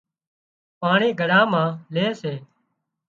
پاڻي گھڙا مان لي سي